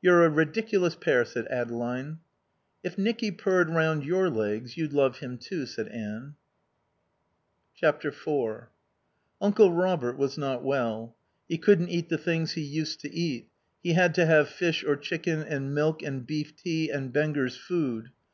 "You're a ridiculous pair," said Adeline. "If Nicky purred round your legs, you'd love him, too," said Anne. iv Uncle Robert was not well. He couldn't eat the things he used to eat; he had to have fish or chicken and milk and beef tea and Benger's food.